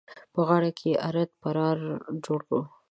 په غاړه کې يې ارت پرار جوړ وو.